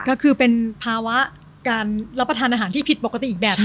ก็คือเป็นภาวะการรับประทานอาหารที่ผิดปกติอีกแบบหนึ่ง